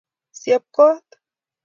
syeb koot